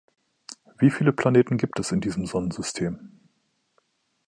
Wie viele Planeten gibt es in diesem Sonnensystem?